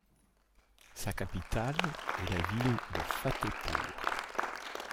Sa capitale est la ville de Fatehpur.